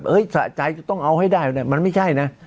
สะใจจะต้องเอาให้ได้มันไม่ใช่นะ